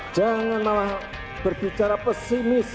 jangan malah berbicara pesimis dua ribu tiga puluh bubar